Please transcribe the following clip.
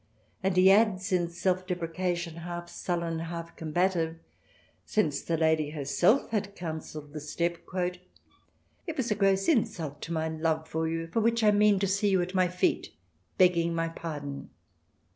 And he adds in self deprecation, half sullen, half combative, since the lady herself had counselled the step :" It was a gross insult to my love for you, for which I mean to see you at my feet, begging my pardon.